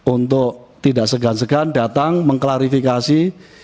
untuk tidak segan segan datang mengklarifikasi